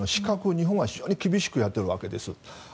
日本は非常に厳しくやっているわけです。